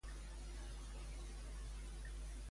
Quina sobirana la va sol·licitar?